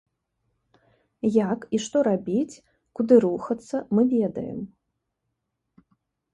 Як і што рабіць, куды рухацца, мы ведаем.